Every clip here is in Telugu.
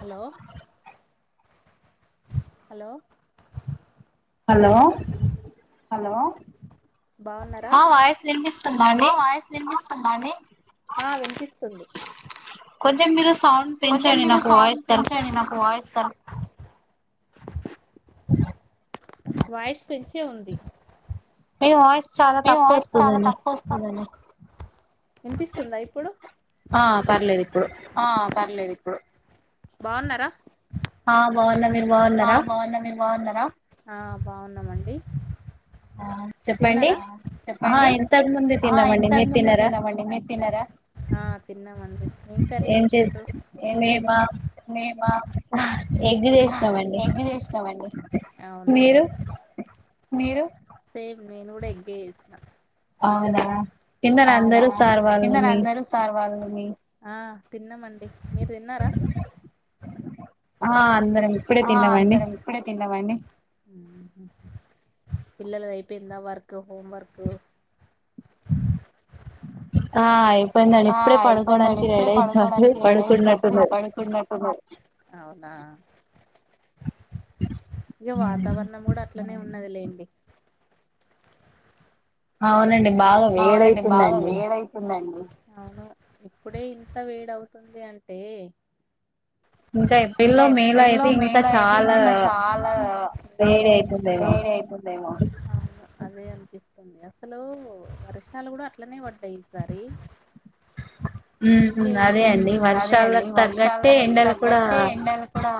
హలో హలో హలో హలో బాగున్నారా ఆ వాయిస్ వినిపిస్తుందా అండి ఆ వినిపిస్తుంది కొంచెం మీరు సౌండ్ పెంచండి నాకు వాయిస్ కర్ వాయిసు పెంచేఉంది ఏ వాయిస్ మీ వాయిస్ చాలా తక్కువ వస్తుందండి వినిపిస్తుందా ఇప్పుడు ఆ పర్లేదు ఇ ఇప్పుడు బాగున్నారా ఆ బాగున్నా మీరు బాగున్నారా ఆ బాగున్నామండి [inaudible] తిన్నారా చెప్పండి ఆ ఎంతకు ముందు తిన్నామండి మీరు తిన్నారా ఆ తిన్నామండి ఏం కర్రీ చేసిండ్రు మేమా ఎగ్ చేసినమండి అవునా మీరు సేమ్ నేను కూడా ఎగ్గే చేసినా అవునా అవునా తిన్నారా అందరు సార్వా ళ్ళు ఆ తిన్నామండి మీరు తిన్నారా హా అందరం ఆ అందరం ఇప్పుడే తిన్నామండి పిల్లల దయిపోయిందా వర్క్ హోం వర్క్ [inaudible] ఆ అయిపోయిందండి ఇప్పుడే పడుకోడానికి రెడై పోయి పడుకున్నట్టునారు అవునా ఇగ వాతావరణం కూడా అట్లనే ఉన్నది లేండి అవునండి అవునండి బాగా వేడైతుందండి అవును ఇప్పుడే ఇంత వేడవుతుంది అంటే ఇంకా ఏప్రిల్ లో మే లో అయితే ఇంకా చాలా వేడి అయిపొద్దేమో అవును అదే అనిపిస్తుంది అసలు వర్షాలు కూడా అట్లనే పడ్డాయి ఈసారి ఇవీ హుం అదే అండి వర్షాలకు తగ్గ ట్టేఎండలు కూడా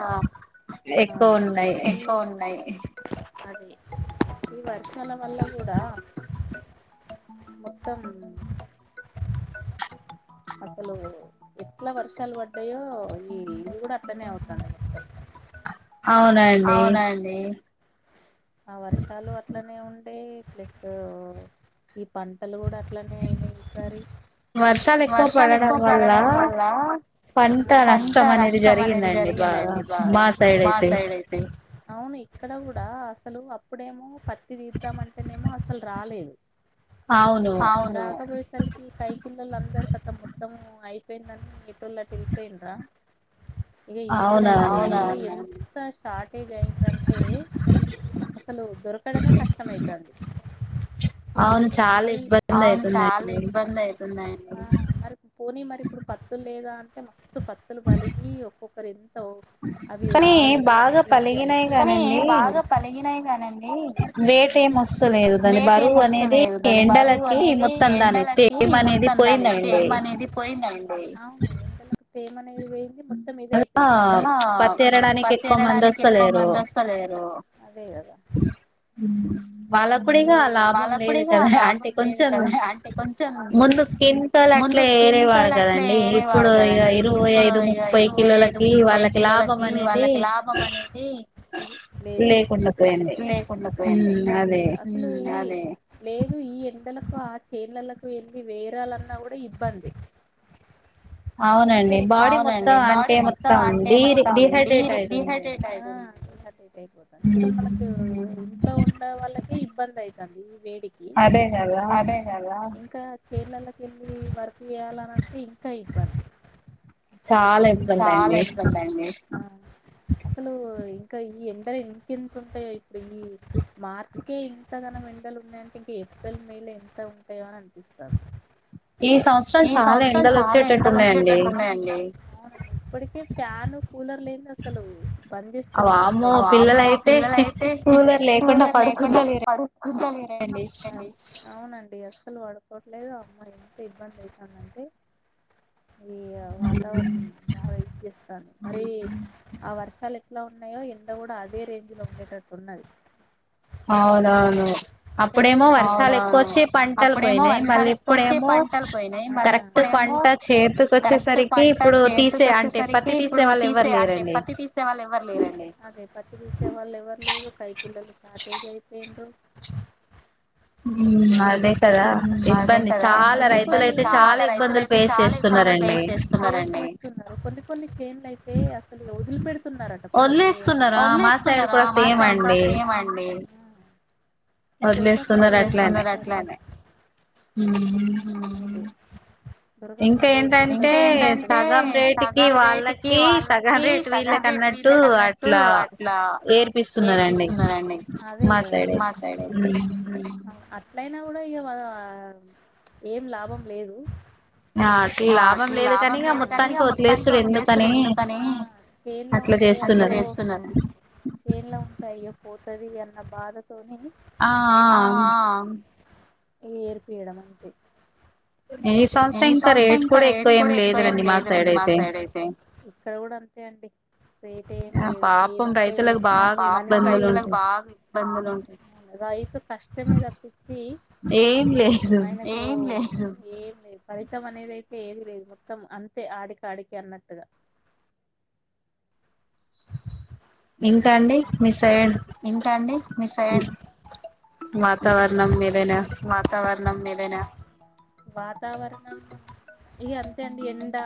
ఎక్కువ ఉన్నాయి అదే ఈ వర్షాల వల్ల కూడా మొత్తం అసలు ఎట్లా వర్షాలు పడ్డాయో ఈ ఇది కూడా అట్లనే అవుతుంది మొత్తం అవునండి ఆ వర్షాలు అట్లనే ఉండే ప్లస్ పంటలు కూడా అట్లానే అయినాయి ఈసారి వర్షాలు ఎక్కువ పడడం వల్ల ఆ పంట నష్టం అనేది జరిగిందండి బాగా ఆ మా సైడ్ అయితే అవును ఇక్కడ కూడా అసలు అప్పుడేమో పత్తి తీద్దాం అంటేనేమో అసలు రాలేదు అవును రాకపోయే సరికి కైకుల్లోలు అందరు మొత్తము అయిపోయిందని ఎటోల్లటు వెళ్ళిపోయిండ్రా ఇక ఇప్పుడైతే ఔనౌనౌను ఎంత షార్టేజ్ అయిందంటే అసలు దొరకడమే కస్టమయితామ్ది మళ్లి అవును చాలా ఇబ్బంది అయితుందండి హా పోనీ మరి ఇప్పుడు పత్తులు లేదా అంటే మస్తు పత్తులు పలిగి ఒక్కొక్కరు ఎంత అవి ఆవులు అవి ఇవి అన్నీ కానీ బాగా పలిగినాయి కానండి వేట ఏం వస్తలేదు దాని బరువు అనేది ఎండలకి మొత్తం దాని తేమ అనేది పోయిందండి అవును ఎండలకు తేమ అనేది పోయి మొత్తం ఇదయిపోయింది అ పత్తి ఏరడానికి ఎక్కువ మంది వస్తలేరు అదే [inaudible] హుమ్ వాళ్లకుడిగా లాభం లేదు కదా అంటే కొంచెం ముందు కింట ముందు కింటాలు అట్ల ఏరేవారు కదండి ఇప్పుడు ఇ ఇరవై ఐదు ముప్పై కిలోలకి వాళ్ళకి లాభం అనేది లేదు ఇ లేకుండ పోయిది హ్మ్మ్ అదే లేదు ఈ ఎండలకు ఆ చేడ్లలకు వెళ్ళలి వేరాలన్నా కూడా ఇబ్బంది ఎంత అవునండి బాడీ మొత్తం అంటే మొత్తం డిహైడ్రేట్ అయి హటేట్ అయిపోతుంది అసలు మనకు ఇంట్లో ఉండే వాళ్ళకే ఇబ్బంది అవుతుంది వేడికి అదే కదా ఇంకా చేలలకి వెళ్ళి వర్క్ చేయాలనంటే ఇంకా ఇబ్బంది చ చాలా ఇబ్బంది అండి అసలు ఇంకా ఈ ఎండలు ఇంకెంత ఉంటాయో ఇప్పుడు ఈ మార్చి కే ఇంత గనం ఎండలు ఉన్నాయంటే ఇంకా ఏప్రిల్ మే లో ఎంత ఉంటాయో అని అనిపిస్తుంది ఈ సంవత్సరం చాలా ఎండలు వచ్చేటట్టు ఉన్నాయండి అవునా ఇప్పటికే ఫ్యాన్ కూలర్ లేంది అసలు బంద్ చేస్తలేరు ఇంట్లో వామ్మో పిల్లలు అయితే కూలర్ లేకుండా పడుకుంటా లేరండి అవునండి అస్సలు పడుకోట్లేదు అమ్మా ఎంత ఇబ్బంది అయితందంటే ఇవ్వరు బాగా ఇచ్చేస్తారు మరి ఆ వర్ష లు ఎట్లా ఉన్నాయో ఎండ కూడా అదే రేంజ్ లో ఉండేటట్టు ఉన్నది అవునవును అప్పుడేమో వర్షాలు ఎక్కువ వచ్చి పంటలు పోయినాయి మళ్ళీ ఇప్పుడేమో కరెక్ట్ పంట చేతికి వచ్చేసరికి ఇప్పుడు తీసే అంటే పత్తి తీసే వాళ్ళు ఎవ్వరు లేరండి వాళ్ళ ఎవరు లేరండి అదే పత్తి తీసే వాళ్ళు ఎవరు లేదు కైకిల్లలు షార్టేజ్ అయిపోయిన్రు ఇంకా ఉమ్ అదే కదా ఇబ్బంది చాలా రైతుల అయితే చాలా ఇబ్బందిలు ఫేస్ చేస్తున్నారండి అన్నారు కొన్ని చేన్లు అయితే అసలు వదిలి పెడుతున్నారట పోని అని వదిలేస్తున్నారా మా సైడ్ కూడా సేమ్ అండి ఇక దొరకక పదిలేస్తున్నారు అట్లనే ఉమ్ దొరకకుంటే ఏం చేస్తారు ఇంకా ఏంటంటే సగం రేటు కి వాళ్ళకి సగం రేటు వీళ్ళకి అన్నట్టు అట్లా ఏర్పిస్తున్నారండి అదే కదా మా సైడ్ అయితే ఉమ్ అట్లయినా కూడా ఇక ప్చ్ ఏం లాభం లేదు ఆ అట్లా లాభం లేదు కాని ఇక మొత్తానికి వదిలేసుడు ఎందుకని చేన్లో ఉంటే అట్లా చేస్తున్నారు చేన్లో ఉంటే అయ్యో పోతది అన్న బాధ తోని ఆ ఆ ఏర్ పియ్యడం అంతే ఈ సంవత్సరం ఇంకా రేట్ ఇంకా రేట్ కూడా ఎక్కువ ఏమి లేదు అండి మా సైడ్ అయితే ఇక్కడ కూడా అంతే అండి రేట్ ఏం లేదు ఏమంటే పాపం రైతులకు బాగా ఇబ్బందులో రైతు కష్టం మే దప్పించి ఆయన ఏం లేదు ఏం లేదు ఫలితం అనేదియితే ఏది లేదు మొత్తం అంతే ఆడికి ఆడికి అన్నట్టుగా ఇంకా అండి మీస్ ఇంకా అండి మిస్ అయ్యన్ వాతావరణం మేలేనా వాతావరణం ఇక అంతే అండి ఎండ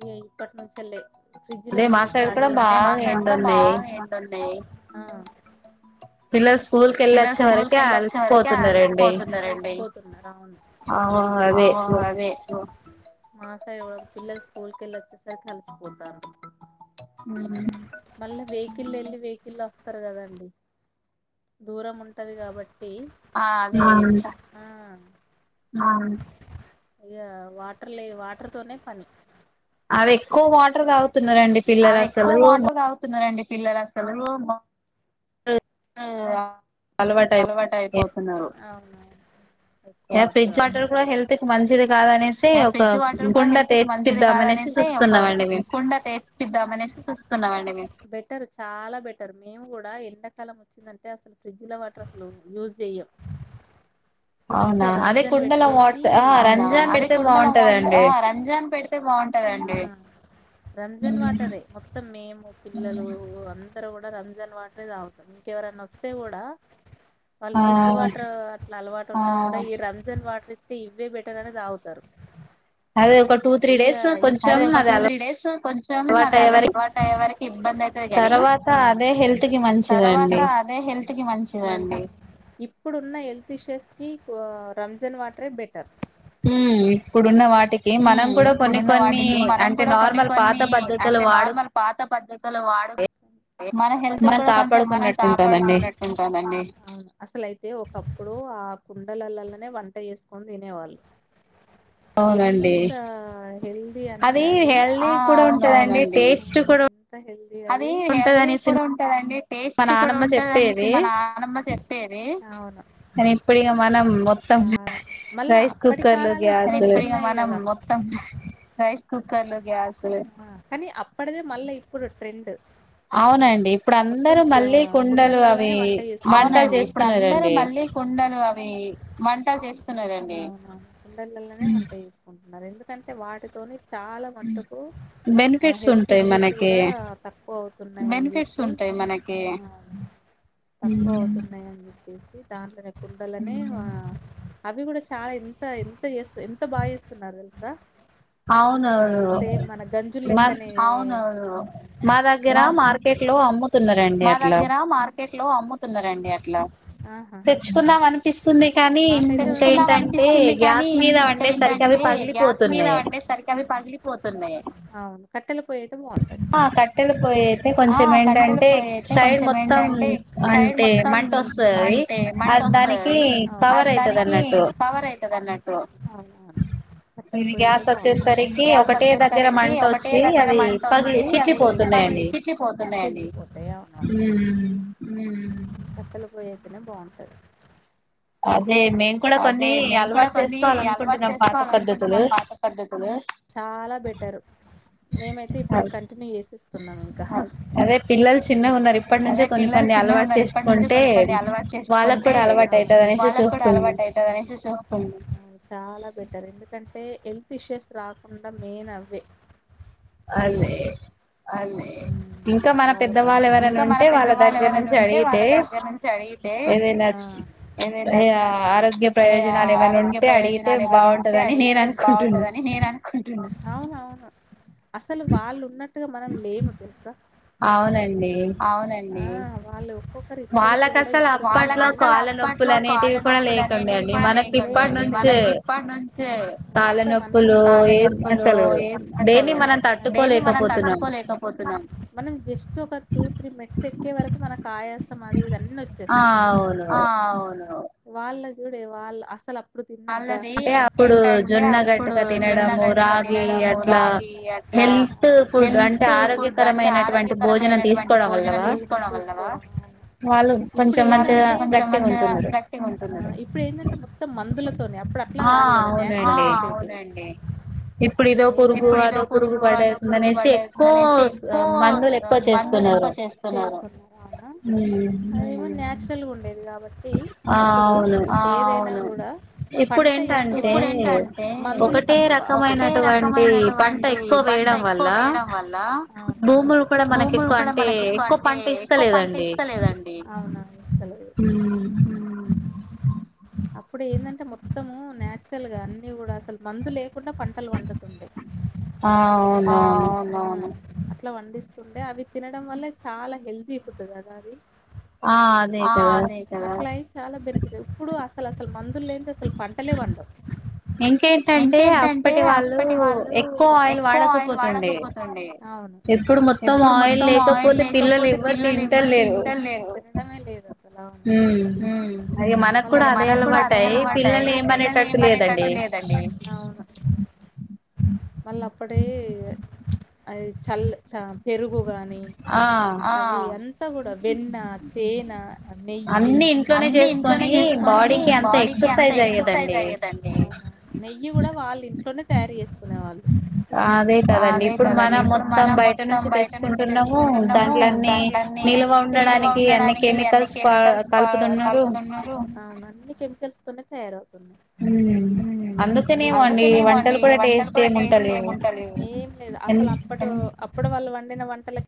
ఇ ఇప్పటి నుంచళ్లే ఫ్రిడ్జ్ లో నీళ్ళు స్టార్ట్ చేస్తా మా సైడ్ కూడా బాగా ఎండ ఉంది పిల్లలు పిల్లలు స్కూల్ కి వెళ్ళి వచ్చే వరకే అలసిపోతున్నారండి అలసిపోతున్నారు అవును ఆ అదే ఓ మా సైడ్ కూడా పిల్లలు స్కూల్ కెళ్ళొచ్చేసరికి అలిసిపోతారు ఉమ్ మళ్ళా వెహకిల్లో వెళ్ళి వెహికల్లో వస్తారు కదాండి దూరం ఉంటది కాబట్టి ఆ అదే వెచ్చ ఆ హా ఇగ వాటర్ లే వాటర్ తోనే పని అది ఎక్కువ వాటర్ తాగుతున్నారండి పిల్లలు అసలు పిల్లలు అసలు అలవాటు అయిపోతున్నారు అవునవును ఏ ఫ్రిడ్జ్ వాటర్ కూడా హెల్త్క్ మంచిది ఏ ఫ్రిడ్జ్ వాటర్ కూడా హెల్త్ కి మంచిది కాదనేసి ఒక కుండ తెపిద్దామనే సి చూస్తున్నామండి మేము బెటర్ చాలా బెటర్ మేము కూడా ఎండాకాలం వచ్చిందంటే అసలు ఫ్రిడ్జ్ల వాటర్ అసలు యూజ్ చెయ్యం అవునా అదే కుండల వాటా ఆహా రంజన్ బెడితే కుండల వాట్ ఆహా రంజన్ పెడితే బాగుంటదండి రంజన్ వాటరే మొత్తం మేము పిల్లలు అందరు కూడా రంజాన్ వాటరే తాగుతాం ఇంకెవరనా వస్తే కూడా వాళ్ళు ఫ్రిడ్జ్ వాటర్ అట్లా అలవాటు ఈ రంజన్ వాటర్ ఇత్తే ఇవే బెటర్ అని తాగుతారు ఇక ఇప్పుడు అదే ఒక టూ త్రీ డేస్ కొంచెం అది అలవాటు అయ్యే వరకి ఇబ్బంది అయితది కాని తర్వాత అదే హెల్త్ కి మంచిదండి ఇప్పుడున్న హెల్త్ ఇషేస్ కి ఇప్పుడు కు రంజాన్ వాటరే బెటర్ హు ఇప్పుడున్న వాటికి మనం కూడా కొన్ని కొన్ని అంటే నార్మల్ పా పాత పద్ధతులు వాడు మన హెల్త్ కూడా కొంచెం మనం కాపాడుకున్నట్టు ఉంటదండి అసలయితే ఒకప్పుడు ఆ కుండల లల్లనే వంట చేసుకొని తినేవాళ్ళు ఎంత హెల్దీ అంటే అది ఆ అవునవునండి అంతా హేల్ అది హెల్దీ కూడా ఉంటదండి టేస్ట్ కూడా ఉంటదనేసి మా నానమ్మ చెప్పేది అవును కానీ ఇప్పడు ఇగ మనం మొత్తం రైస్ కుక్కర్లు గ్యాస్ ఇప్పుడు ఇగ మనం మొత్తం రైస్ కుక్కర్లు గ్యాస్లు కానీ అప్పడిదే మళ్ళ ఇప్పుడు ట్రెండ్ మొత్తం కుండలల్లనే వంట చేస్తున్న అవునండి ఇప్పుడు అందరు మ ళ్ళీ కుండలు అవి వంట చేస్తున్నారండి కుండలల్లనే వంట చేసుకు న్నారు ఎందుకంటే వాటితోని చాలా మట్టుకు బెనిఫిట్స్ ఉంటాయి మనకి బెనిఫిట్స్ ఉంటాయి మనకి తక్కువ అవుతున్నాయి అండి చేసి దాంట్లనే కుండలనే అవి కూడా చాలా ఇంత ఎంత చేస్ ఎంత బాగా చేస్తున్నారు తెలుసా ఆ సేమ్ మన గంజు లెక్కనే మా దగ్గర మార్కెట్ లో అమ్ముతున్నారండి అట్లా మార్కెట్లో అమ్ము తున్నారండి అట్లా తెచ్చుకుందాం అనిపిస్తుంది కానీ కానీ ఇంక ఏంటంటే గ్యాస్ మీద వండే సరికి అవి పగిలిపోతున్నాయే అవును పొయ్యైతే బాగుంటది ఆ కా కట్టేల పోయైతే కొంచం ఏంటంటే సైడ్ మొత్తం అంటే మంట వస్తది అది దానికి కవర్ అయితదన్నట్టు కట్టెలపోయైతే బాగుంటది ఇది గ్యాస్ వచ్చేసరికి ఒకటే దగ్గర మంట వచ్చి అది పది చిట్లి పోతున్నాయండి పోతాయి అవున కట్టెలపోయి అయితనే బాగుంటది అదే మేము కూడా కొన్ని అలవాటు చేసుకోవాలనుకుంటున్నాం పాత పద్ధతులు చాలా బెటర్ మేమైతే ఇప్పటి కంటిన్యూ చేసేస్ తున్నం ఇంకా అదే పిల్లలు చిన్నగున్నరు ఇప్పటి నుంచే కొన్ని కొన్ని అలవాటు చేసుకుంటే వాళ్ళకు కూడా అలవాటు అయితది అనేసి చూస్తున్న చాలా బెటర్ ఎందుకంటే హెల్త్ ఇష్యూస్ రాకుండా మెయిన్ అవ్వే అల్లే ఇంకా మన ఇంకా మన పెద్దవాళ్ళేవరనుంటే వాళ్ళ దగ్గర నుంచి అడిగితే [unintelligible] ఆరోగ్య ప్రయోజనాలేమైనుంటే అడిగితే బాగుంటదని నేన అవునవును అసలు వాళ్ళున్నట్టుగా మనం లేము, తెలుసా? అవునండి ఆ వాళ్ళు ఒక్కరు ఇప్పటికిీ కూడా ఇప్పుడు వాళ్ళ కష్టాలప్పట్లో కాళ్ల నొప్పులనేటివి కూడా లేకండిండి మనకిప్పటి నుంచే మొత్తం అన్నిీ కాళ్లనొప్పులు ఏం అసలు దేన్ని మనం తట్టుకోలేకపోతున్నాం. మనం జస్ట్ ఒక టూ త్రీ మేట్స్ ఎక్కే వరకు మన కాయా మొత్తం అది ఇదన్ని వచ్చేస్తయి. ఆ అవును వాళ్ళ చూడే వాళ్ళ అసలప్పుడు మల్లది ఏంటంటే అప్పుడు జొన్న గడ్గా తినడము రాగి అట్లా హెల్త్ ఫుడ్ అంటే ఆరోగ్యకరమైనటువంటి భోజనం తీసుకోవడం వల్లవా కొంచెం కొంచెం గట్టిగుంటుంది ఆ అవునండి ఇప్పుడు ఇదో పురుగు అదో పురుగు పడందనేసి ఎక్కువ హోస్ మందులెక్కువ చేస్తున్నారు. హ్మ్మ్ అదేమో నాచురల్ గా ఉండేది. ఆ అవును ఇప్పుడేంటంటే ఒకటే రకమైనటువంటి పంట ఎక్కువ వేయడం వల్ల భూములు కూడా మనకెక్కువ అంటే ఎక్కువ పంట ఇస్తలేదండి. అప్పుడు ఏంటంటే మొత్తము నేచురల్ గా అన్ని కూడా ఆ అవునవును పండిస్తుండే అవి తినడం వల్లే చాలా హెల్తీ ఫుడ్ గదా అది ఆ అదే కదండీ అసలసలు మందులు లేనిదే అసలు పంటలే పండవు. ఇంకేంటంటే అప్పటి వాళ్ళు ఎక్కువ ఆయిల్ వాడకపోతుండే. ఇప్పుడు మొత్తం ఆయిల్ లేకపోతే పిల్లలు ఎవ్వరు తింట లేరు. హ్మ్మ్ అదే మనక్కూడా అదే అలవాటయి పిల్లల్ని ఏం అనేటట్టు లే అంతే కదండి. అది చల్ చ పెరుగు గాని ఆ అది అంతా గూడా వెన్న, తేనె నెయ్యి అన్ని ఇంట్లోనే చేసుకొని బాడీకి అంత ఎక్సర్సైజ్ అయ్యేదండి. వాళ్ళు ఇంట్లోనే తయారు చేసుకునే వాళ్ళు అదే కదండి ఇప్పుడు మనం మొత్తం తాం బయట నుంచి తెచ్చుకుంటున్నాము దాంట్లోన్నిీ నిీలువ ఉండడానికి అన్ని కెమికల్స్ అవునండి అందుకనేమో అండి వంటలు కూడా టేస్ట్ ఏముంటలేవు అసలప్పుడు అప్పుడు వాళ్ళు వండిన వంటలే